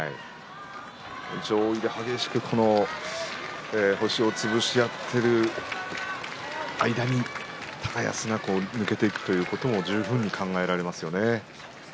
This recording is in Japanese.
上位で激しく星を潰し合っている間に高安が抜けていくということも十分に考えられますよね。